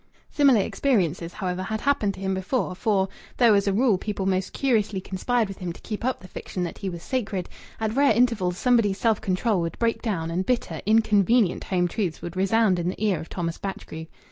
Similar experiences, however, had happened to him before; for, though as a rule people most curiously conspired with him to keep up the fiction that he was sacred, at rare intervals somebody's self control would break down, and bitter, inconvenient home truths would resound in the ear of Thomas Batchgrew.